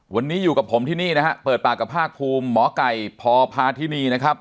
วันนี้อยู่กับผมที่นี่นะฮะเปิดปากกับภาคภูมิหมอไก่พพาธินีนะครับ